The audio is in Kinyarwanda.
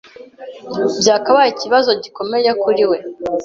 byakabaye ikibazo gikomeye kuri we